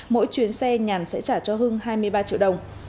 mỗi chuyến xe nhàn sẽ trả cho hưng hai mươi ba triệu đồng